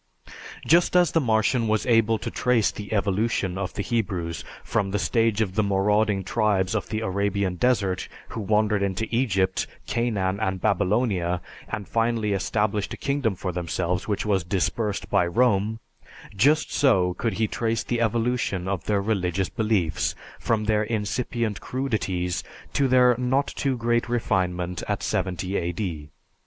Just as the Martian was able to trace the evolution of the Hebrews from the stage of the marauding tribes of the Arabian desert who wandered into Egypt, Canaan, and Babylonia, and finally established a kingdom for themselves which was dispersed by Rome; just so could he trace the evolution of their religious beliefs from their incipient crudities to their not too great refinement at 70 A.D.